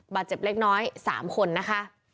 บาดเจ็บเล็กน้อย๓คนนะคะ